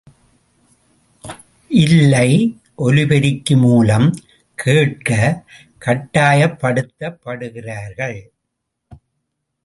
இல்லை, ஒலிபெருக்கி மூலம் கேட்கக் கட்டாயப்படுத்தப்படுகிறார்கள்.